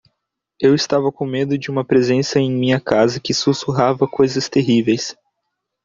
Eu estava com medo de uma presença em minha casa que sussurrava coisas terríveis.